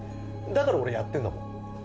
「だから俺やってんだもん」